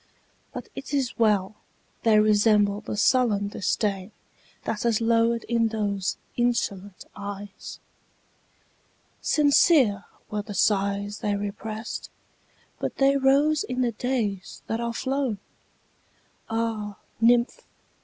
But 't is well!—they resemble the sullen disdainThat has lowered in those insolent eyes. Sincere were the sighs they represt, But they rose in the days that are flown! Ah, nymph!